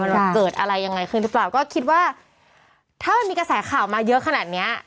มันเกิดอะไรยังไงขึ้นหรือเปล่าก็คิดว่าถ้ามันมีกระแสข่าวมาเยอะขนาดเนี้ย